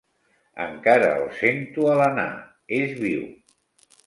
Encara el sento alenar: és viu.